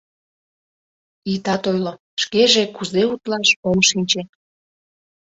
— Итат ойло, шкеже кузе утлаш — ом шинче...